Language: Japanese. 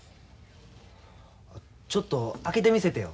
ちょっと開けてみせてよ。